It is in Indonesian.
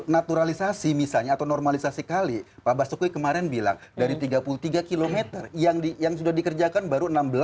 naturalisasi misalnya atau normalisasi kali pak basuki kemarin bilang dari tiga puluh tiga km yang sudah dikerjakan baru enam belas